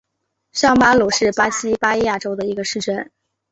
上巴鲁是巴西巴伊亚州的一个市镇。